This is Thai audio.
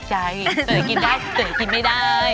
เจอกินแล้วเจอกินไม่ได้เลย